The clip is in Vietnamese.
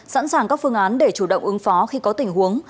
sẵn sàng các phương án để chủ động ứng phó khi có tình huống